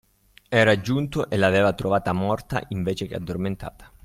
Era giunto e l'aveva trovata morta, invece che addormentata.